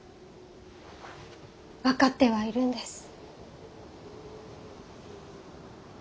分かってはいるんです。